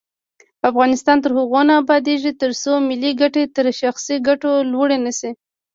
افغانستان تر هغو نه ابادیږي، ترڅو ملي ګټې تر شخصي ګټو لوړې نشي.